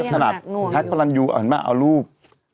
ก็ยังหักหน่วงอยู่ถ้าพระรันดิ์อยู่เห็นปะเอารูป